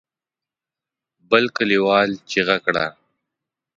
بل کليوال چيغه کړه.